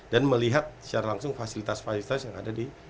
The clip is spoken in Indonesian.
dan melihat secara langsung fasilitas fasilitas yang ada di